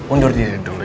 undur diri dulu ya